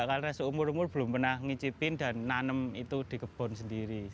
karena seumur umur belum pernah ngicipin dan nanem itu di kebun sendiri